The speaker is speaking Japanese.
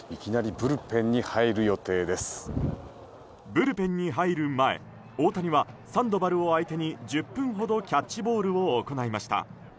ブルペンに入る前、大谷はサンドバルを相手に１０分ほどキャッチボールを行いました。